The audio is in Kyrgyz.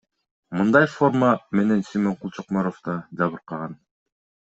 Мындай форма менен Сүймөнкул Чокморов да жабыркаган.